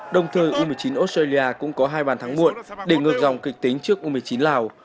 đồng thời u một mươi chín australia cũng có hai bàn thắng muộn để ngược dòng kịch tính trước u một mươi chín lào